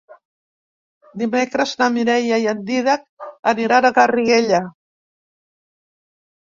Dimecres na Mireia i en Dídac aniran a Garriguella.